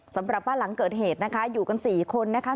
สำหรับบ้านหลังเกิดเหตุนะคะอยู่กัน๔คนนะคะ